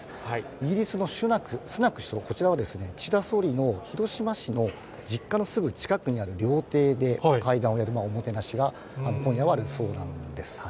イギリスのスナク首相、こちらは、岸田総理の広島市の実家のすぐ近くにある料亭で会談をやる、おもてなしが今夜はあるそうなんです。